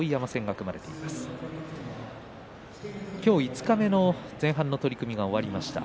今日五日目の前半の取組が終わりました。